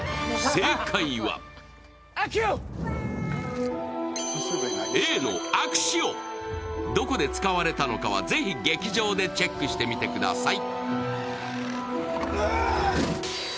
正解はどこで使われたのかはぜひ劇場でチェックしてみてください。